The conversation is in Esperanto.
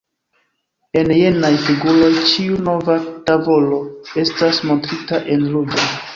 En jenaj figuroj, ĉiu nova tavolo estas montrita en ruĝa.